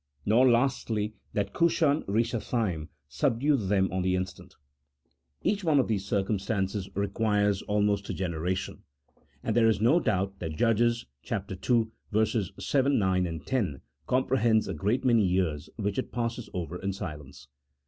Nor, lastly, that Cushan Eishathaim subdued them on the instant ; each one of these circumstances requires almost a generation, and there is no doubt that Judges ii. 7, 9, 10, comprehends a great many years which it passes over in silence.